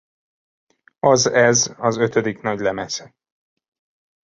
Az Ez az ötödik nagylemez!